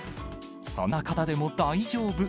そんな方でも大丈夫。